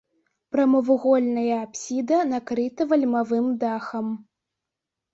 Прамавугольная апсіда накрыта вальмавым дахам.